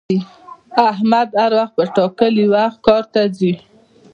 احمد هر وخت په ټاکلي وخت کار ته ځي